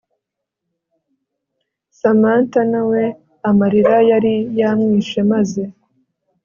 Samantha nawe amarira yari yamwishe maze